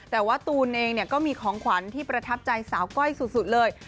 แต่ว่าตูนเองก็มีของขวัญที่ประทับใจสาวก้อยสุดเลย